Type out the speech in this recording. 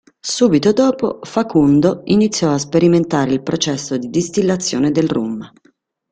Subito dopo, Facundo iniziò a sperimentare il processo di distillazione del rum.